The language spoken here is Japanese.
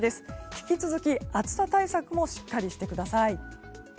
引き続き、暑さ対策もしっかりしてください。